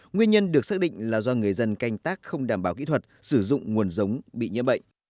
nguyên nhân được xác định là do người dân canh tác không đảm bảo kỹ thuật sử dụng nguồn giống bị nhiễm bệnh